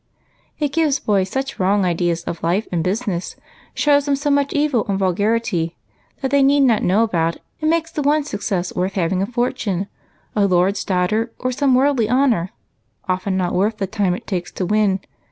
" It gives boys such wrong ideas of life and busi ness ; shows them so much evil and vulgarity that they need not know about, and makes the one success worth having a fortune, a lord's daughter, or some worldly honor, often not worth the time it takes to win.